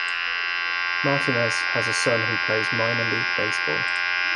Martinez has a son who plays minor league baseball.